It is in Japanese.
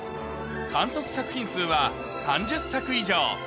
監督作品数は３０作以上。